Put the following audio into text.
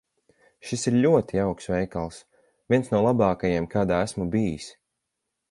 Šis ir ļoti jauks veikals. Viens no labākajiem, kādā esmu bijis.